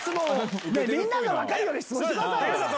みんなが分かるような質問してくださいよ。